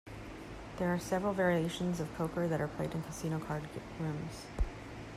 There are several variations of poker that are played in casino card rooms.